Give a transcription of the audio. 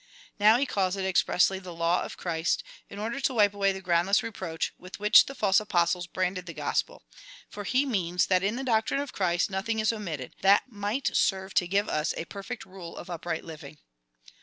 Now he calls it expressly the law of Christ, in order to wipe away the groundless reproach, with which the false apostles branded the gospel, for he means, that in the doctrine of Christ nothing is omitted, that might serve to give us a per fect rule of upright living.